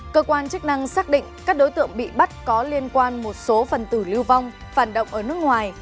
cơ quan chức năng xác định các đối tượng bị bắt có liên quan một số phần tử lưu vong phản động ở nước ngoài